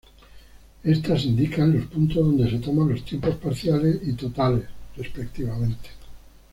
Estas indican los puntos donde se toman los tiempos parciales y totales, respectivamente.